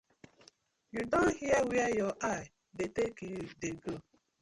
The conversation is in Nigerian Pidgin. Yu don hear where yur eye dey tak you dey go.